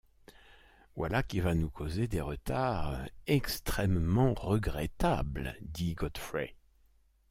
Voilà qui va nous causer des retards extrêmement regrettables! dit Godfrey.